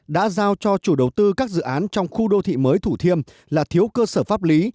đã giao cho chủ đầu tư các dự án trong khu đô thị mới thủ thiêm là thiếu cơ sở pháp lý